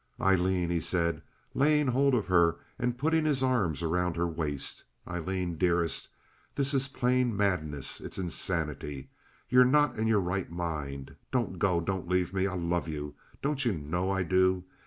"Aileen," he said, laying hold of her and putting his arms around her waist. "Aileen, dearest, this is plain madness. It is insanity. You're not in your right mind. Don't go! Don't leave me! I love you! Don't you know I do?